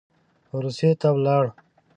روسیې ته ولاړ.